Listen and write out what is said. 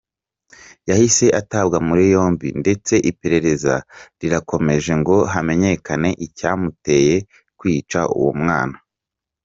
Yahise atabwa muri yombi ndetse iperereza rirakomeje ngo hamenyekane icyamuteye kwica uwo mwana.